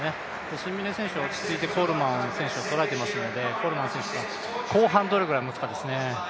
シンビネは落ち着いてコールマン選手を捉えているのでコールマン選手が後半どれぐらいもつかですね。